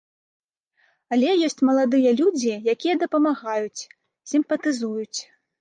Але ёсць маладыя людзі, якія дапамагаюць, сімпатызуюць.